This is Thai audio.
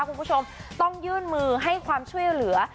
คุณผู้ชมต้องยื่นมือให้ความช่วยเหลือ